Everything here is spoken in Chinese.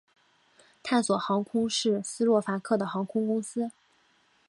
探索航空是斯洛伐克的航空公司。